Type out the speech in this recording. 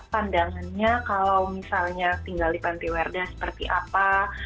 pandangannya kalau misalnya tinggal di pantiwerda seperti apa